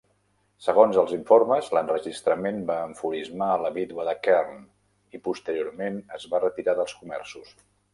Segons els informes, l'enregistrament va enfurismar a la vídua de Kern i posteriorment es va retirar dels comerços.